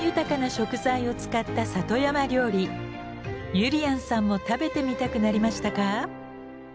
ゆりやんさんも食べてみたくなりましたか？